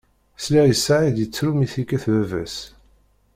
Sliɣ i Saɛid yettru mi t-yekkat baba-s.